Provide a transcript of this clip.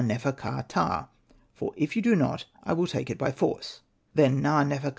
nefer. ka.ptah ; for if you do not I will take it by force/' Then Na.nefer.ka.